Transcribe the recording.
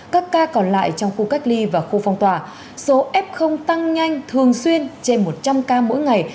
các ca còn lại trong khu cách ly và khu phong tỏa số f tăng nhanh thường xuyên trên một trăm linh ca mỗi ngày